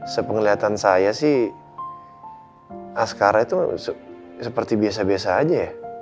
sepengelihatan saya sih askara itu seperti biasa biasa aja ya